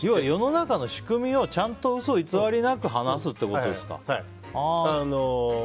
世の中の仕組みを、ちゃんと嘘偽りなく話すってことですか。